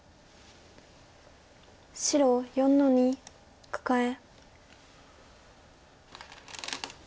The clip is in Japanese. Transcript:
白４の二カカエ。